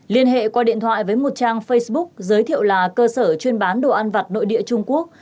liên hệ qua điện thoại với một trang facebook giới thiệu là cơ sở chuyên bán đồ ăn vặt nội địa trung quốc